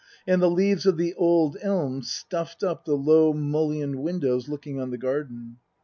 And the leaves of the old elms stuffed up the low, mullioned windows looking on the garden.